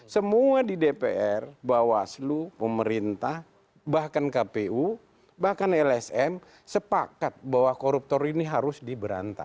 semua di dpr bawaslu pemerintah bahkan kpu bahkan lsm sepakat bahwa koruptor ini harus diberantas